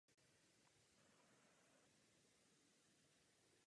Nemáme vůbec žádný důvod schovávat se před globalizací.